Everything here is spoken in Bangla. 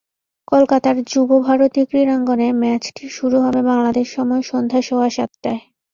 কলকাতার যুব ভারতী ক্রীড়াঙ্গনে ম্যাচটি শুরু হবে বাংলাদেশ সময় সন্ধ্যা সোয়া সাতটায়।